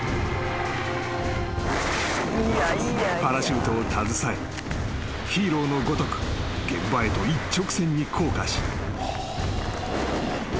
［パラシュートを携えヒーローのごとく現場へと一直線に降下し］